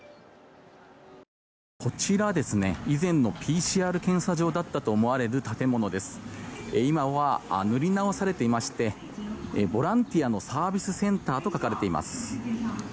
こちら、以前のＰＣＲ検査場だったと思われる建物ですが今は塗り直されていましてボランティアのサービスセンターと書かれています。